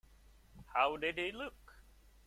How did he look?